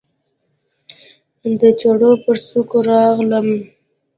د چړو پر څوکو راغلم